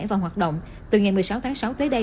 và hoạt động từ ngày một mươi sáu tháng sáu tới đây